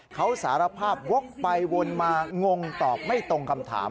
เขาสารภาพวกไปวนมางงตอบไม่ตรงคำถาม